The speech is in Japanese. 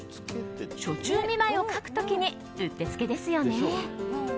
暑中見舞いを書く時にうってつけですよね。